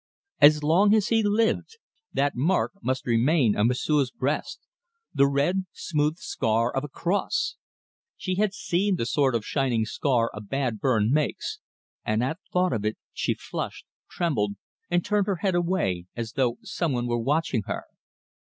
As long as he lived, that mark must remain on M'sieu's breast the red, smooth scar of a cross! She had seen the sort of shining scar a bad burn makes, and at thought of it she flushed, trembled, and turned her head away, as though some one were watching her.